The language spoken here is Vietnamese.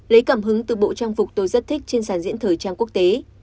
lấy cảm hứng từ bộ trang phục tôi rất thích trên sản diễn thời trang quốc tế